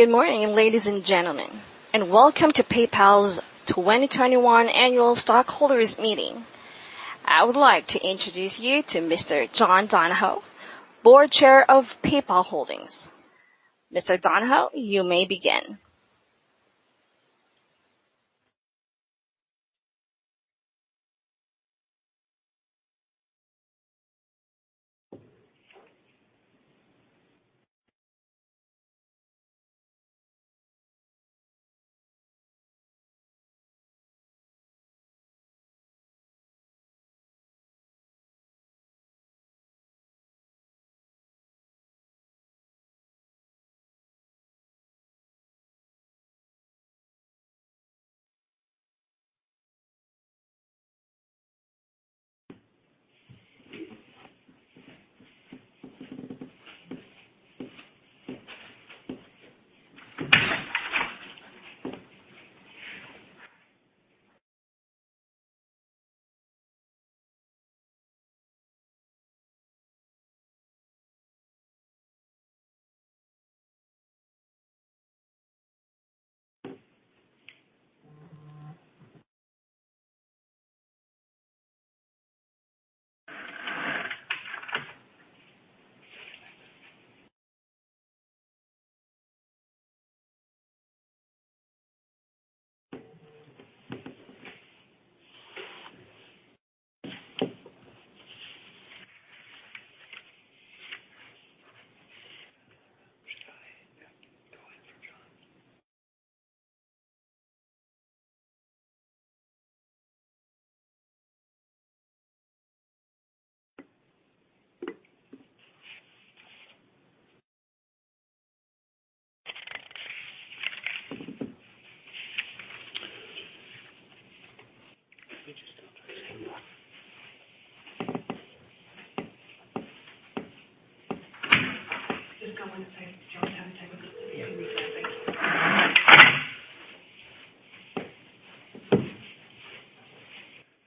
Good morning, ladies and gentlemen, and welcome to PayPal's 2021 annual stockholders meeting. I would like to introduce you to Mr. John Donahoe, board chair of PayPal Holdings. Mr. Donahoe, you may begin.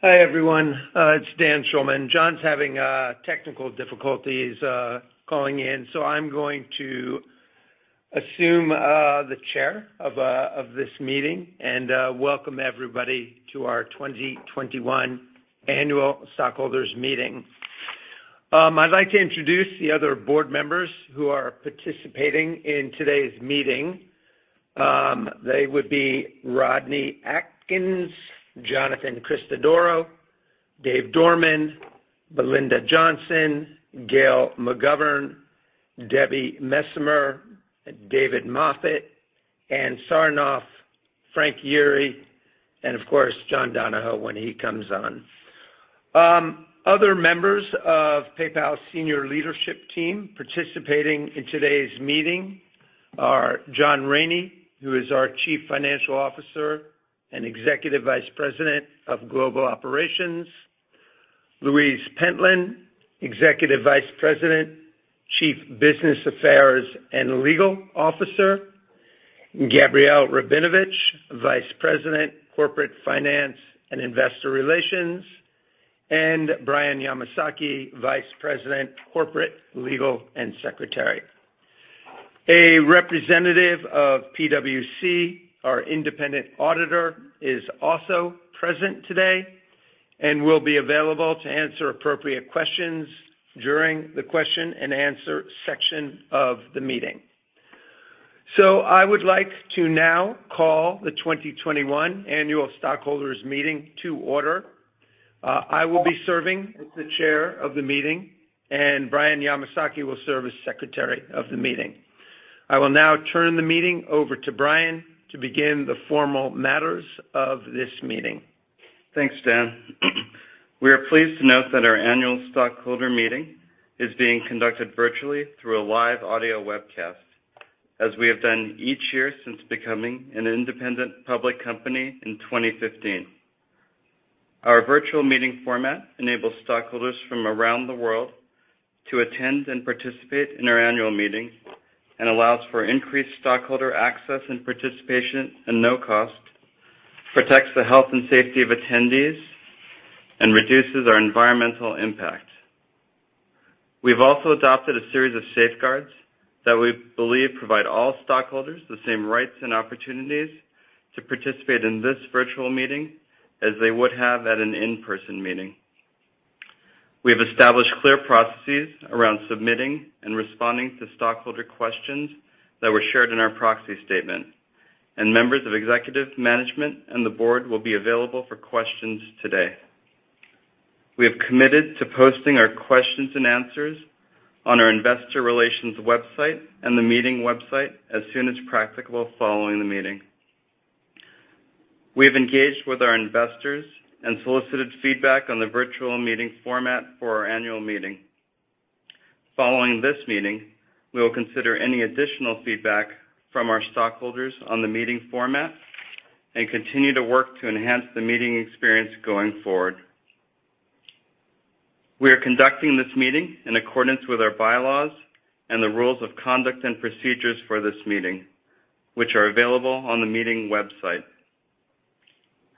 Hi, everyone. It's Dan Schulman. John's having technical difficulties calling in, so I'm going to assume the chair of this meeting, and welcome everybody to our 2021 annual stockholders meeting. I'd like to introduce the other board members who are participating in today's meeting. They would be Rodney Adkins, Jonathan Christodoro, Dave Dorman, Belinda Johnson, Gail McGovern, Debbie Messemer, David Moffett, Ann Sarnoff, Frank Yeary, and of course, John Donahoe when he comes on. Other members of PayPal senior leadership team participating in today's meeting are John Rainey, who is our Chief Financial Officer and Executive Vice President of Global Operations, Louise Pentland, Executive Vice President, Chief Business Affairs and Legal Officer, Gabrielle Rabinovitch, Vice President, Corporate Finance and Investor Relations, and Brian Yamasaki, Vice President, Corporate Legal and Secretary. A representative of PwC, our independent auditor, is also present today and will be available to answer appropriate questions during the question and answer section of the meeting. I would like to now call the 2021 annual stockholders meeting to order. I will be serving as the Chair of the Meeting, and Brian Yamasaki will serve as Secretary of the Meeting. I will now turn the meeting over to Brian to begin the formal matters of this meeting. Thanks, Dan. We are pleased to note that our annual stockholder meeting is being conducted virtually through a live audio webcast, as we have done each year since becoming an independent public company in 2015. Our virtual meeting format enables stockholders from around the world to attend and participate in our annual meeting and allows for increased stockholder access and participation at no cost, protects the health and safety of attendees, and reduces our environmental impact. We've also adopted a series of safeguards that we believe provide all stockholders the same rights and opportunities to participate in this virtual meeting as they would have at an in-person meeting. We've established clear processes around submitting and responding to stockholder questions that were shared in our proxy statement, and members of executive management and the board will be available for questions today. We have committed to posting our questions and answers on our investor relations website and the meeting website as soon as practicable following the meeting. We've engaged with our investors and solicited feedback on the virtual meeting format for our annual meeting. Following this meeting, we will consider any additional feedback from our stockholders on the meeting format and continue to work to enhance the meeting experience going forward. We are conducting this meeting in accordance with our bylaws and the rules of conduct and procedures for this meeting, which are available on the meeting website.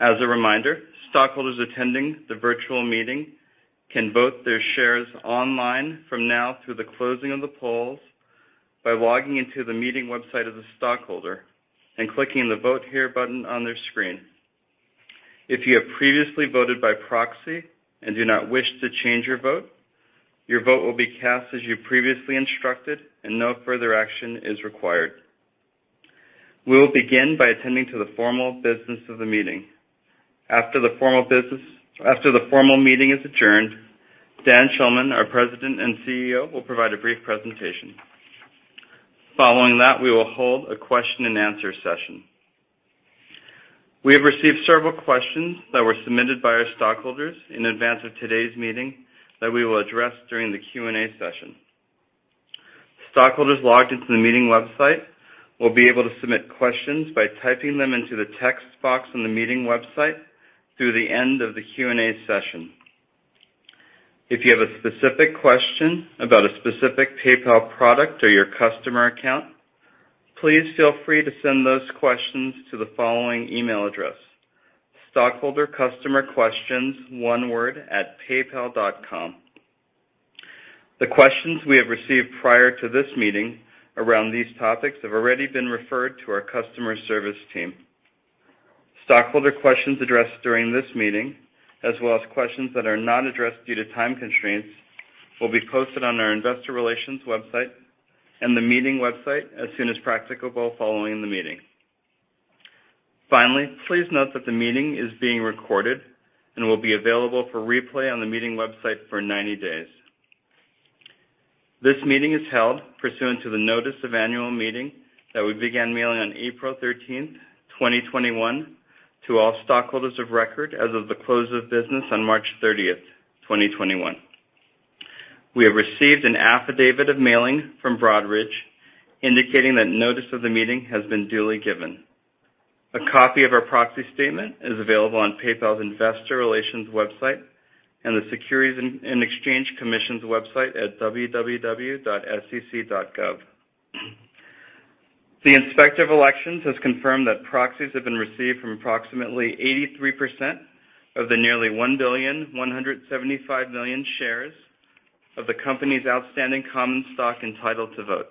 As a reminder, stockholders attending the virtual meeting can vote their shares online from now through the closing of the polls by logging into the meeting website as a stockholder and clicking the Vote Here button on their screen. If you have previously voted by proxy and do not wish to change your vote, your vote will be cast as you previously instructed and no further action is required. We will begin by attending to the formal business of the meeting. After the formal meeting is adjourned, Dan Schulman, our President and CEO, will provide a brief presentation. Following that, we will hold a question and answer session. We have received several questions that were submitted by our stockholders in advance of today's meeting that we will address during the Q&A session. Stockholders logged into the meeting website will be able to submit questions by typing them into the text box on the meeting website through the end of the Q&A session. If you have a specific question about a specific PayPal product or your customer account, please feel free to send those questions to the following email address, stockholdercustomerquestions, one word, @paypal.com. The questions we have received prior to this meeting around these topics have already been referred to our customer service team. Stockholder questions addressed during this meeting, as well as questions that are not addressed due to time constraints, will be posted on our investor relations website and the meeting website as soon as practicable following the meeting. Finally, please note that the meeting is being recorded and will be available for replay on the meeting website for 90 days. This meeting is held pursuant to the notice of annual meeting that we began mailing on April 13th, 2021, to all stockholders of record as of the close of business on March 30th, 2021. We have received an affidavit of mailing from Broadridge indicating that notice of the meeting has been duly given. A copy of our proxy statement is available on PayPal's investor relations website and the Securities and Exchange Commission's website at www.sec.gov. The Inspector of Elections has confirmed that proxies have been received from approximately 83% of the nearly 1.175 billion shares of the company's outstanding common stock entitled to vote.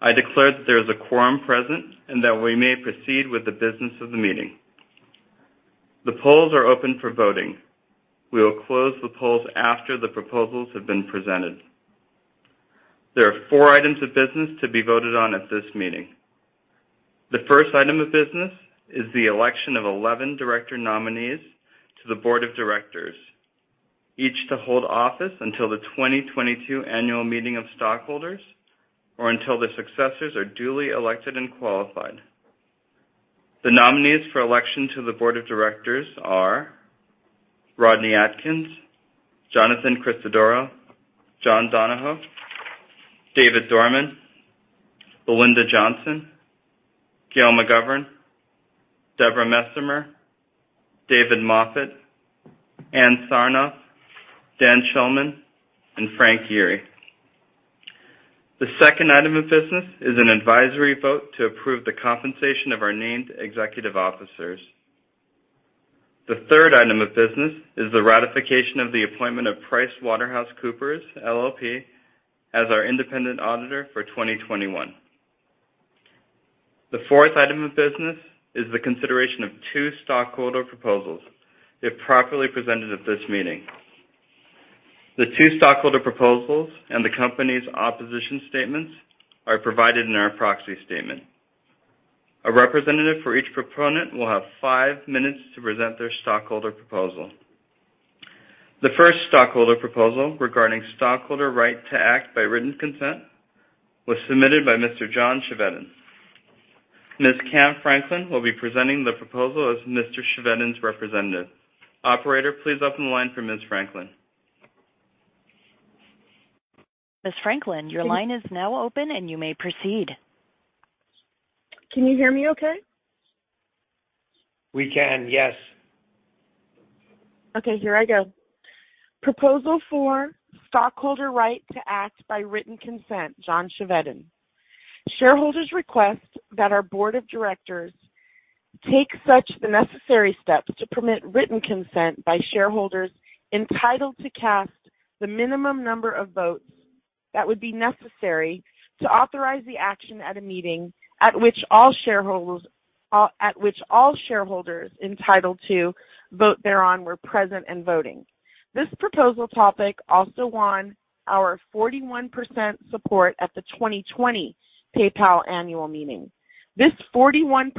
I declare that there is a quorum present and that we may proceed with the business of the meeting. The polls are open for voting. We will close the polls after the proposals have been presented. There are four items of business to be voted on at this meeting. The first item of business is the election of 11 director nominees to the board of directors, each to hold office until the 2022 annual meeting of stockholders or until their successors are duly elected and qualified. The nominees for election to the board of directors are Rodney Adkins, Jonathan Christodoro, John Donahoe, David Dorman, Belinda Johnson, Gail McGovern, Deborah Messemer, David Moffett, Ann Sarnoff, Dan Schulman, and Frank Yeary. The second item of business is an advisory vote to approve the compensation of our named executive officers. The third item of business is the ratification of the appointment of PricewaterhouseCoopers LLP as our independent auditor for 2021. The fourth item of business is the consideration of two stockholder proposals, if properly presented at this meeting. The two stockholder proposals and the company's opposition statements are provided in our proxy statement. A representative for each proponent will have five minutes to present their stockholder proposal. The first stockholder proposal regarding stockholder right to act by written consent was submitted by Mr. John Chevedden. Ms. Cam Franklin will be presenting the proposal as Mr. Chevedden's representative. Operator, please open the line for Ms. Franklin. Ms. Franklin, your line is now open, and you may proceed. Can you hear me okay? We can, yes. Okay, here I go. Proposal Four, stockholder right to act by written consent, John Chevedden. Shareholders request that our board of directors take such the necessary steps to permit written consent by shareholders entitled to cast the minimum number of votes that would be necessary to authorize the action at a meeting at which all shareholders entitled to vote thereon were present and voting. This proposal topic also won our 41% support at the 2020 PayPal annual meeting. This 41%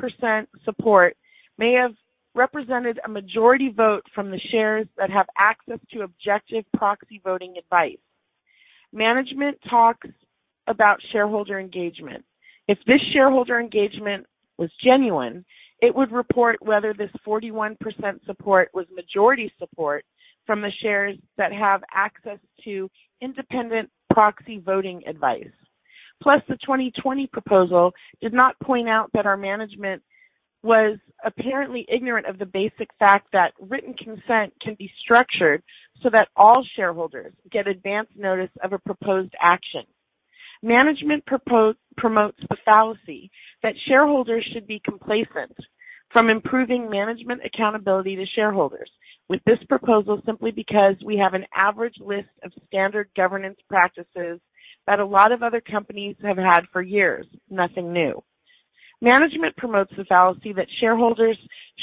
support may have represented a majority vote from the shares that have access to objective proxy voting advice. Management talks about shareholder engagement. If this shareholder engagement was genuine, it would report whether this 41% support was majority support from the shares that have access to independent proxy voting advice. Plus, the 2020 proposal did not point out that our management was apparently ignorant of the basic fact that written consent can be structured so that all shareholders get advance notice of a proposed action. Management promotes the fallacy that shareholders should be complacent from improving management accountability to shareholders with this proposal simply because we have an average list of standard governance practices that a lot of other companies have had for years. Nothing new. Management promotes the fallacy that shareholders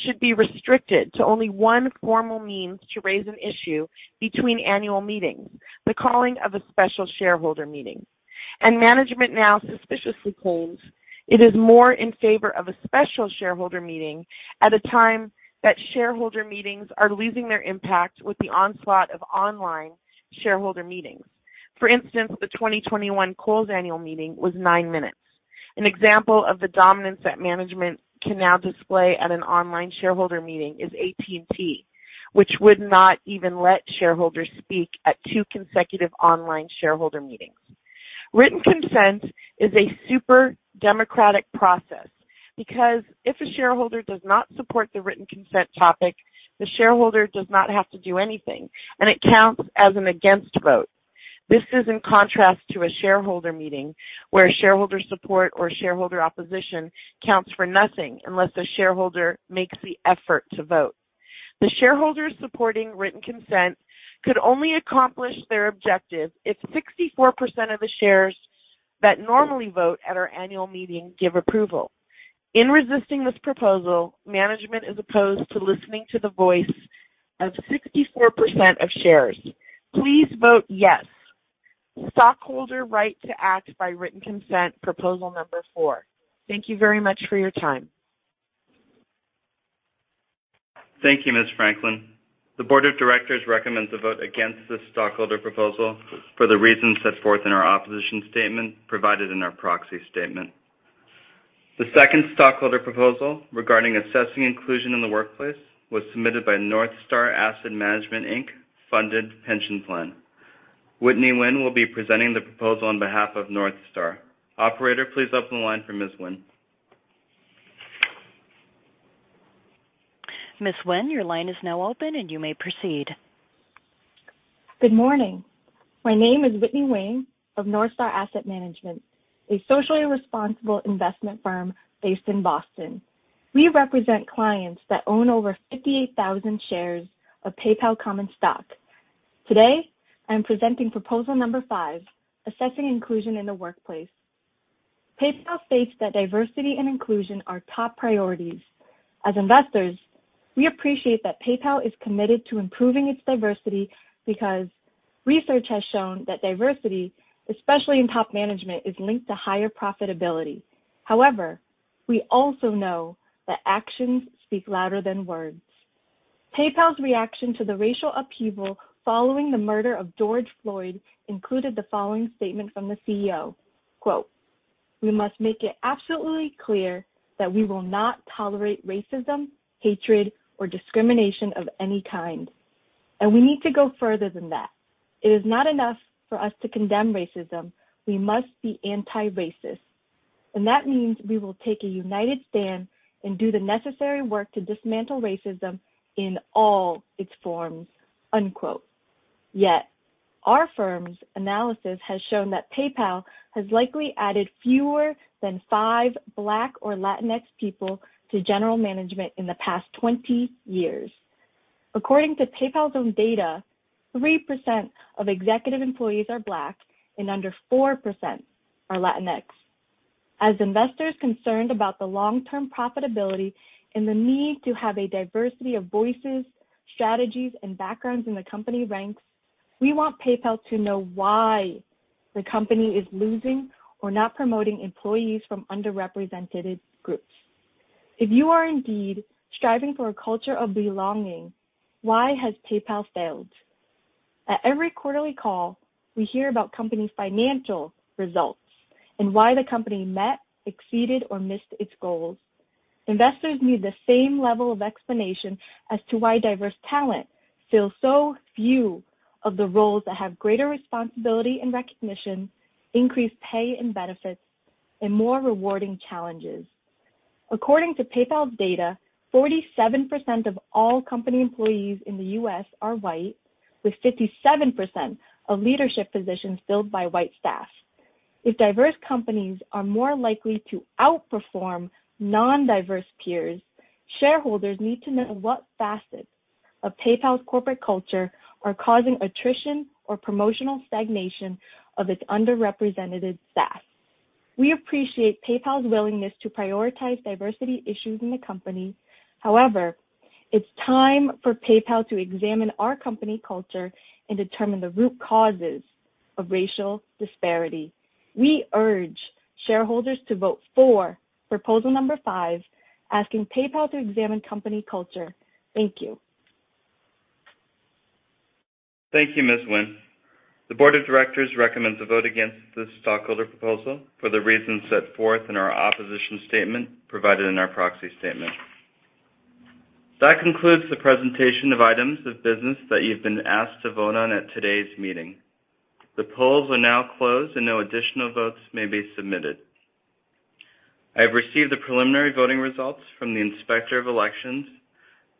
should be restricted to only one formal means to raise an issue between annual meetings, the calling of a special shareholder meeting. Management now suspiciously holds it is more in favor of a special shareholder meeting at a time that shareholder meetings are losing their impact with the onslaught of online shareholder meetings. For instance, the 2021 Kohl's annual meeting was nine minutes. An example of the dominance that management can now display at an online shareholder meeting is AT&T, which would not even let shareholders speak at two consecutive online shareholder meetings. Written consent is a super democratic process because if a shareholder does not support the written consent topic, the shareholder does not have to do anything, and it counts as an against vote. This is in contrast to a shareholder meeting where shareholder support or shareholder opposition counts for nothing unless a shareholder makes the effort to vote. The shareholders supporting written consent could only accomplish their objective if 64% of the shares that normally vote at our annual meeting give approval. In resisting this proposal, management is opposed to listening to the voice of 64% of shares. Please vote yes. Stockholder right to act by written consent, Proposal number Four. Thank you very much for your time. Thank you, Ms. Franklin. The board of directors recommends a vote against this stockholder proposal for the reasons set forth in our opposition statement provided in our proxy statement. The second stockholder proposal regarding assessing inclusion in the workplace was submitted by NorthStar Asset Management, Inc., Funded Pension Plan. Whitney Nguyen will be presenting the proposal on behalf of NorthStar. Operator, please open the line for Ms. Nguyen. Ms. Nguyen, your line is now open and you may proceed. Good morning. My name is Whitney Nguyen of NorthStar Asset Management, a socially responsible investment firm based in Boston. We represent clients that own over 58,000 shares of PayPal common stock. Today, I'm presenting Proposal number Five, assessing inclusion in the workplace. PayPal states that diversity and inclusion are top priorities. As investors, we appreciate that PayPal is committed to improving its diversity because research has shown that diversity, especially in top management, is linked to higher profitability. However, we also know that actions speak louder than words. PayPal's reaction to the racial upheaval following the murder of George Floyd included the following statement from the CEO, quote, "We must make it absolutely clear that we will not tolerate racism, hatred, or discrimination of any kind, and we need to go further than that. It is not enough for us to condemn racism. We must be anti-racist, and that means we will take a united stand and do the necessary work to dismantle racism in all its forms." Unquote. Yet, our firm's analysis has shown that PayPal has likely added fewer than five Black or Latinx people to general management in the past 20 years. According to PayPal's own data, 3% of executive employees are Black and under 4% are Latinx. As investors concerned about the long-term profitability and the need to have a diversity of voices, strategies, and backgrounds in the company ranks, we want PayPal to know why the company is losing or not promoting employees from underrepresented groups. If you are indeed striving for a culture of belonging, why has PayPal failed? At every quarterly call, we hear about companies' financial results and why the company met, exceeded, or missed its goals. Investors need the same level of explanation as to why diverse talent fills so few of the roles that have greater responsibility and recognition, increased pay and benefits, and more rewarding challenges. According to PayPal data, 47% of all company employees in the U.S. are white, with 57% of leadership positions filled by white staff. If diverse companies are more likely to outperform non-diverse peers, shareholders need to know what facets of PayPal's corporate culture are causing attrition or promotional stagnation of its underrepresented staff. We appreciate PayPal's willingness to prioritize diversity issues in the company. However, it's time for PayPal to examine our company culture and determine the root causes of racial disparity. We urge shareholders to vote for Proposal number Five, asking PayPal to examine company culture. Thank you. Thank you, Ms. Nguyen. The board of directors recommends a vote against this stockholder proposal for the reasons set forth in our opposition statement provided in our proxy statement. That concludes the presentation of items of business that you've been asked to vote on at today's meeting. The polls are now closed and no additional votes may be submitted. I've received the preliminary voting results from the Inspector of Elections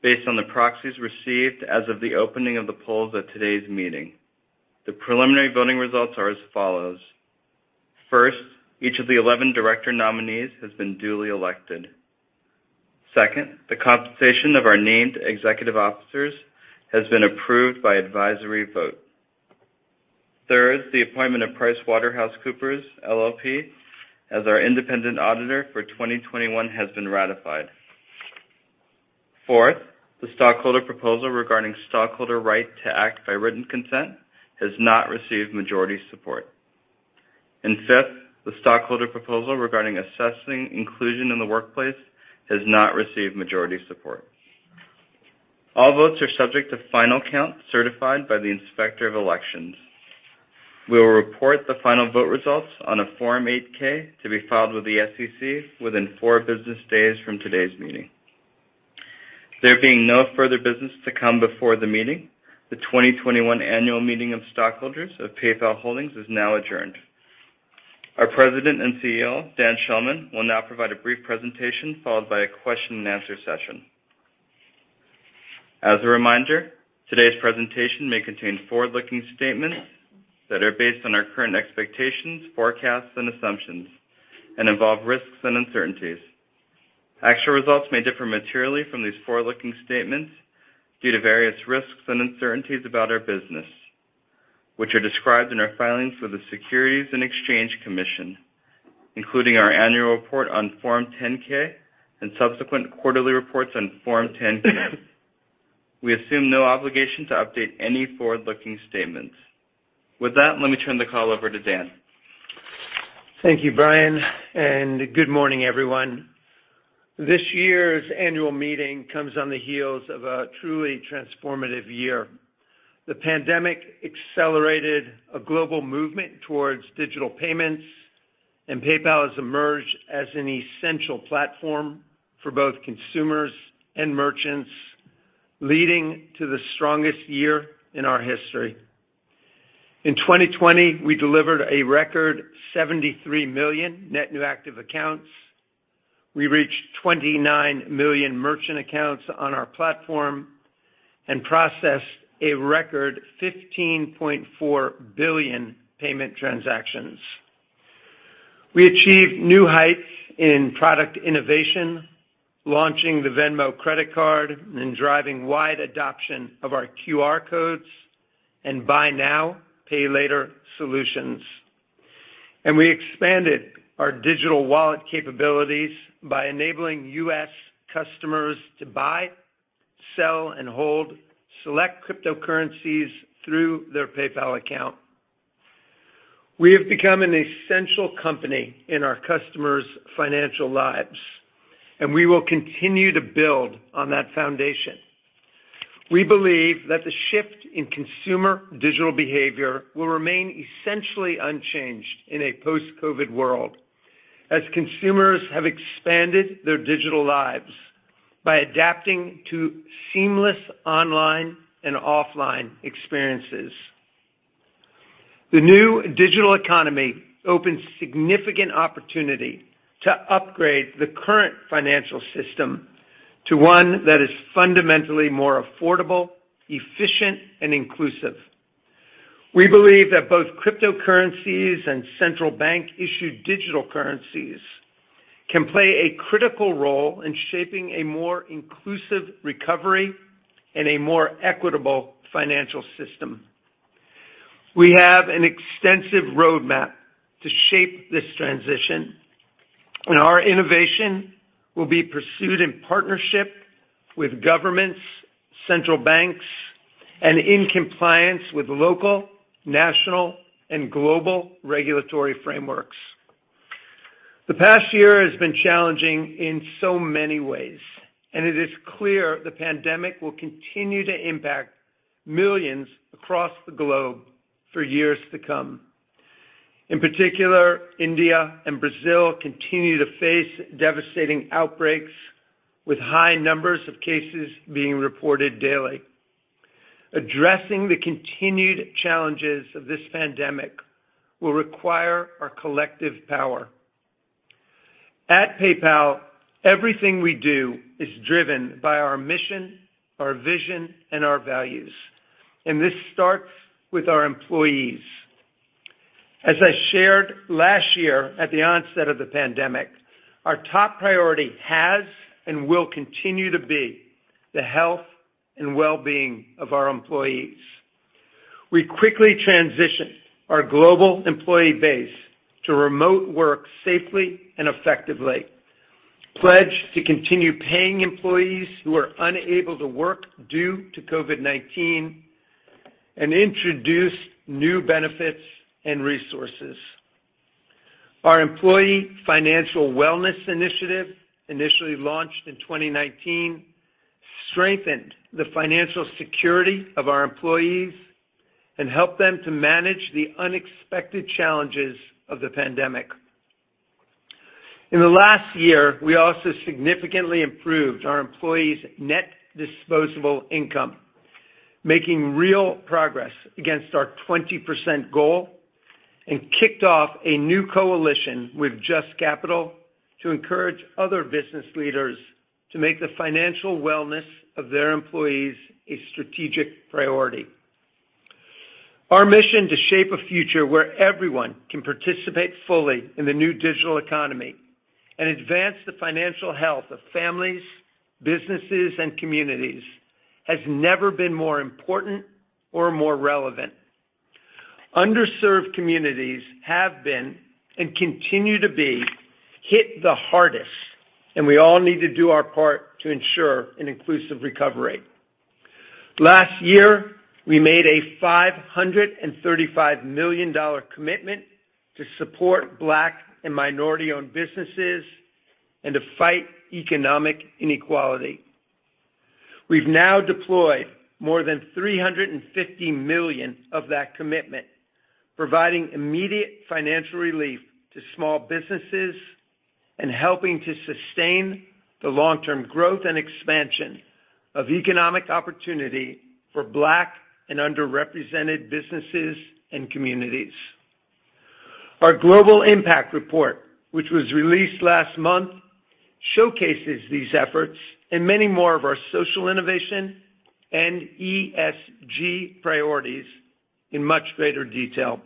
based on the proxies received as of the opening of the polls at today's meeting. The preliminary voting results are as follows. First, each of the 11 director nominees has been duly elected. Second, the compensation of our named executive officers has been approved by advisory vote. Third, the appointment of PricewaterhouseCoopers LLP as our independent auditor for 2021 has been ratified. Fourth, the stockholder proposal regarding stockholder right to act by written consent has not received majority support. Fifth, the stockholder proposal regarding assessing inclusion in the workplace has not received majority support. All votes are subject to final count certified by the Inspector of Elections. We will report the final vote results on a Form 8-K to be filed with the SEC within four business days from today's meeting. There being no further business to come before the meeting, the 2021 Annual Meeting of Stockholders of PayPal Holdings is now adjourned. Our President and CEO, Dan Schulman, will now provide a brief presentation followed by a question and answer session. As a reminder, today's presentation may contain forward-looking statements that are based on our current expectations, forecasts, and assumptions and involve risks and uncertainties. Actual results may differ materially from these forward-looking statements due to various risks and uncertainties about our business, which are described in our filings with the Securities and Exchange Commission, including our annual report on Form 10-K and subsequent quarterly reports on Form 10-Q. We assume no obligation to update any forward-looking statements. With that, let me turn the call over to Dan. Thank you, Brian, and good morning, everyone. This year's annual meeting comes on the heels of a truly transformative year. The pandemic accelerated a global movement towards digital payments, and PayPal has emerged as an essential platform for both consumers and merchants, leading to the strongest year in our history. In 2020, we delivered a record 73 million net new active accounts. We reached 29 million merchant accounts on our platform and processed a record 15.4 billion payment transactions. We achieved new heights in product innovation, launching the Venmo Credit Card and driving wide adoption of our QR codes and Buy Now, Pay Later solutions. We expanded our digital wallet capabilities by enabling U.S. customers to buy, sell, and hold select cryptocurrencies through their PayPal account. We have become an essential company in our customers' financial lives, and we will continue to build on that foundation. We believe that the shift in consumer digital behavior will remain essentially unchanged in a post-COVID world as consumers have expanded their digital lives by adapting to seamless online and offline experiences. The new digital economy opens significant opportunity to upgrade the current financial system to one that is fundamentally more affordable, efficient, and inclusive. We believe that both cryptocurrencies and central bank-issued digital currencies can play a critical role in shaping a more inclusive recovery and a more equitable financial system. We have an extensive roadmap to shape this transition, and our innovation will be pursued in partnership with governments, central banks, and in compliance with local, national, and global regulatory frameworks. The past year has been challenging in so many ways, and it is clear the pandemic will continue to impact millions across the globe for years to come. In particular, India and Brazil continue to face devastating outbreaks, with high numbers of cases being reported daily. Addressing the continued challenges of this pandemic will require our collective power. At PayPal, everything we do is driven by our mission, our vision, and our values, and this starts with our employees. As I shared last year at the onset of the pandemic, our top priority has and will continue to be the health and well-being of our employees. We quickly transitioned our global employee base to remote work safely and effectively, pledged to continue paying employees who are unable to work due to COVID-19, and introduced new benefits and resources. Our employee financial wellness initiative, initially launched in 2019, strengthened the financial security of our employees and helped them to manage the unexpected challenges of the pandemic. In the last year, we also significantly improved our employees' net disposable income. Making real progress against our 20% goal, and kicked off a new coalition with JUST Capital to encourage other business leaders to make the financial wellness of their employees a strategic priority. Our mission to shape a future where everyone can participate fully in the new digital economy and advance the financial health of families, businesses, and communities has never been more important or more relevant. Underserved communities have been, and continue to be, hit the hardest, and we all need to do our part to ensure an inclusive recovery. Last year, we made a $535 million commitment to support Black and minority-owned businesses and to fight economic inequality. We've now deployed more than $350 million of that commitment, providing immediate financial relief to small businesses and helping to sustain the long-term growth and expansion of economic opportunity for Black and underrepresented businesses and communities. Our global impact report, which was released last month, showcases these efforts and many more of our social innovation and ESG priorities in much greater detail.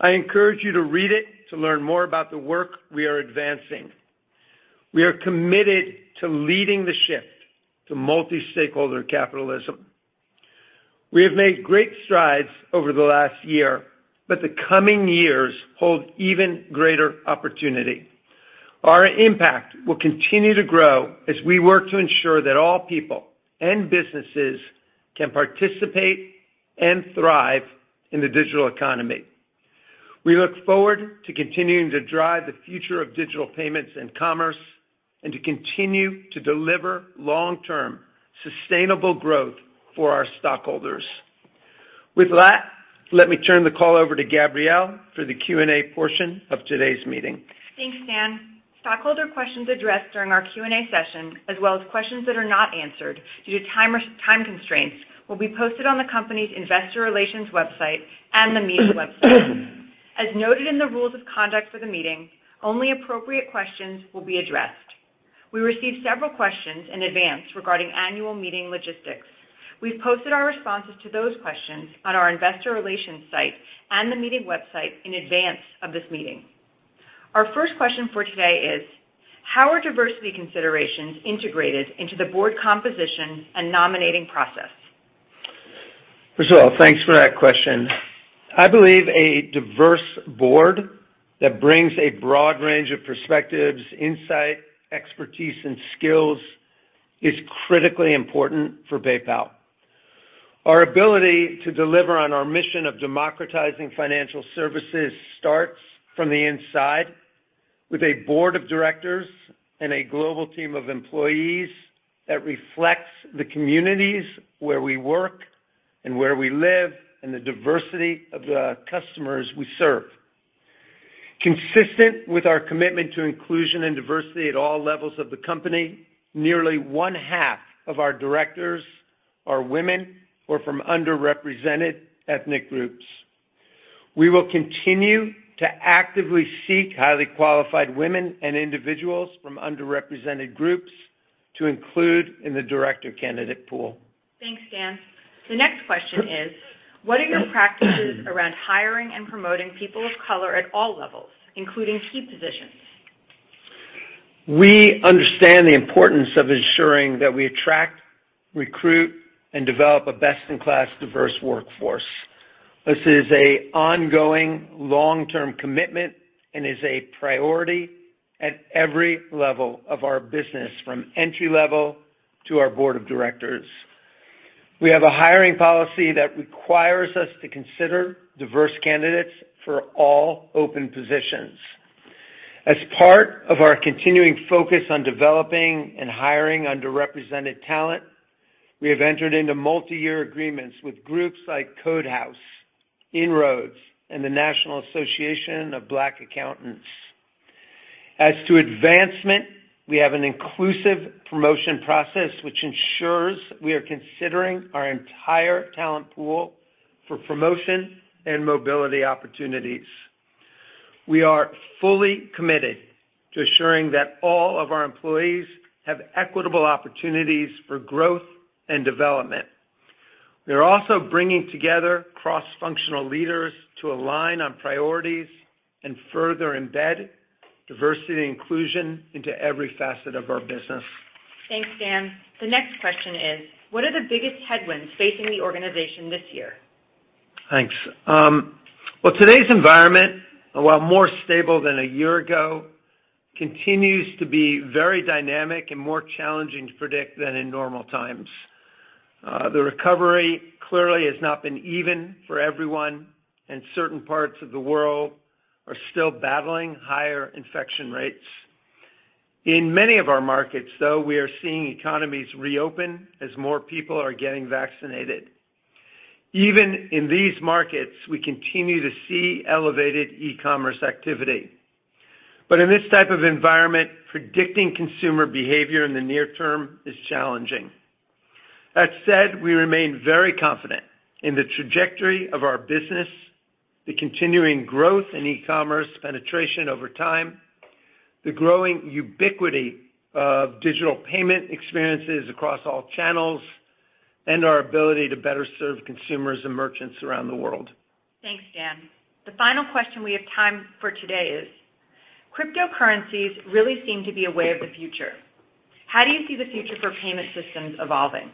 I encourage you to read it to learn more about the work we are advancing. We are committed to leading the shift to multi-stakeholder capitalism. We have made great strides over the last year, but the coming years hold even greater opportunity. Our impact will continue to grow as we work to ensure that all people and businesses can participate and thrive in the digital economy. We look forward to continuing to drive the future of digital payments and commerce, and to continue to deliver long-term sustainable growth for our stockholders. With that, let me turn the call over to Gabrielle for the Q&A portion of today's meeting. Thanks, Dan. Stockholder questions addressed during our Q&A session, as well as questions that are not answered due to time constraints, will be posted on the company's investor relations website and the meeting website. As noted in the rules of conduct for the meeting, only appropriate questions will be addressed. We received several questions in advance regarding annual meeting logistics. We've posted our responses to those questions on our investor relations site and the meeting website in advance of this meeting. Our first question for today is: How are diversity considerations integrated into the board composition and nominating process? Thanks for that question. I believe a diverse board that brings a broad range of perspectives, insight, expertise, and skills is critically important for PayPal. Our ability to deliver on our mission of democratizing financial services starts from the inside with a board of directors and a global team of employees that reflects the communities where we work and where we live, and the diversity of the customers we serve. Consistent with our commitment to inclusion and diversity at all levels of the company, nearly one half of our directors are women or from underrepresented ethnic groups. We will continue to actively seek highly qualified women and individuals from underrepresented groups to include in the director candidate pool. Thanks, Dan. The next question is: What are your practices around hiring and promoting people of color at all levels, including key positions? We understand the importance of ensuring that we attract, recruit, and develop a best-in-class diverse workforce. This is an ongoing long-term commitment and is a priority at every level of our business, from entry-level to our board of directors. We have a hiring policy that requires us to consider diverse candidates for all open positions. As part of our continuing focus on developing and hiring underrepresented talent, we have entered into multi-year agreements with groups like CodeHouse, INROADS, and the National Association of Black Accountants. As to advancement, we have an inclusive promotion process which ensures we are considering our entire talent pool for promotion and mobility opportunities. We are fully committed to ensuring that all of our employees have equitable opportunities for growth and development. We are also bringing together cross-functional leaders to align on priorities and further embed diversity and inclusion into every facet of our business. Thanks, Dan. The next question is: What are the biggest headwinds facing the organization this year? Thanks. Well, today's environment, a lot more stable than a year ago, continues to be very dynamic and more challenging to predict than in normal times. The recovery clearly has not been even for everyone, and certain parts of the world are still battling higher infection rates. In many of our markets, though, we are seeing economies reopen as more people are getting vaccinated. Even in these markets, we continue to see elevated e-commerce activity. In this type of environment, predicting consumer behavior in the near term is challenging. That said, we remain very confident in the trajectory of our business, the continuing growth in e-commerce penetration over time, the growing ubiquity of digital payment experiences across all channels, and our ability to better serve consumers and merchants around the world. Thanks, Dan. The final question we have time for today is, cryptocurrencies really seem to be a way of the future. How do you see the future for payment systems evolving?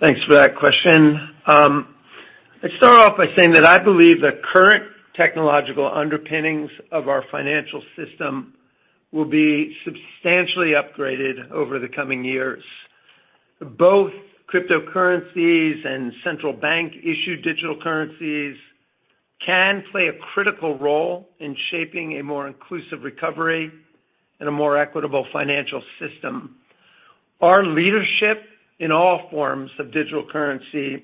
Thanks for that question. I'd start off by saying that I believe the current technological underpinnings of our financial system will be substantially upgraded over the coming years. Both cryptocurrencies and central bank-issued digital currencies can play a critical role in shaping a more inclusive recovery and a more equitable financial system. Our leadership in all forms of digital currency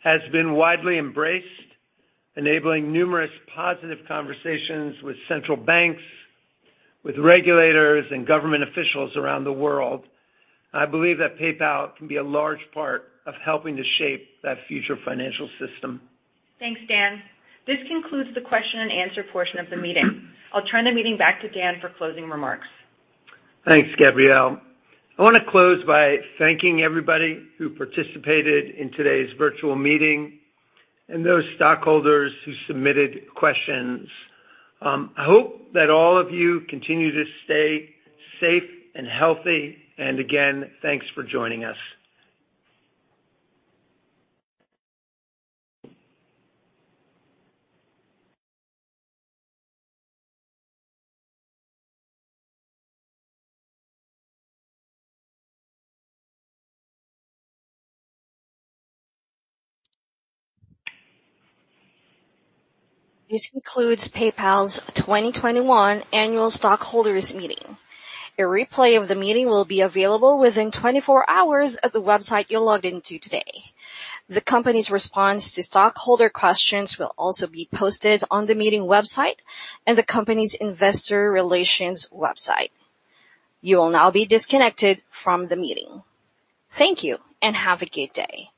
has been widely embraced, enabling numerous positive conversations with central banks, with regulators, and government officials around the world. I believe that PayPal can be a large part of helping to shape that future financial system. Thanks, Dan. This concludes the question and answer portion of the meeting. I'll turn the meeting back to Dan for closing remarks. Thanks, Gabrielle. I want to close by thanking everybody who participated in today's virtual meeting and those stockholders who submitted questions. I hope that all of you continue to stay safe and healthy, again, thanks for joining us. This concludes PayPal's 2021 Annual Stockholders Meeting. A replay of the meeting will be available within 24 hours at the website you logged into today. The company's response to stockholder questions will also be posted on the meeting website and the company's investor relations website. You will now be disconnected from the meeting. Thank you, and have a great day.